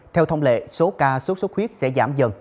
theo thông lệ số ca sốt sốt khuyết sẽ giảm dần